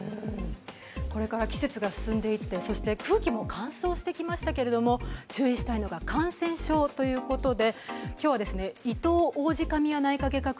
これから季節が進んでいって、それから空気も乾燥してきましたけれども注意したいのが感染症ということで。